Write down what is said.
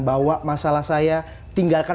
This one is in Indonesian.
bawa masalah saya tinggalkan